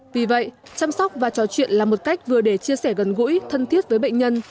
vì vậy chăm sóc và trò chuyện là một cách vừa để chia sẻ gần gũi thân thiết với bệnh nhân